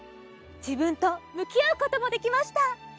じぶんとむきあうこともできました。